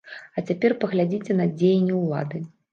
А цяпер паглядзіце на дзеянні ўлады.